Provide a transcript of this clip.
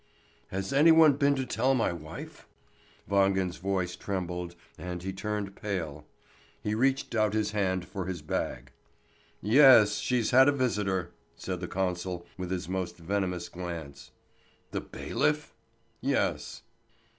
"Has any one been to tell my wife?" Wangen's voice trembled, and he turned pale. He reached out his hand for his bag. "Yes, she's had a visitor," said the consul, with his most venomous glance. "The bailiff?" "Yes."